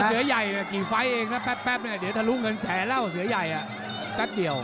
เสือใหญ่กี่ไฟล์เองนะแป๊บเดี๋ยวทะลุเงินแสนแล้วเสือใหญ่